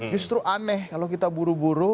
justru aneh kalau kita buru buru